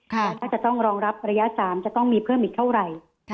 แต่ถ้าจะต้องรองรับระยะ๓จะต้องมีเพิ่มอีกเท่าไหร่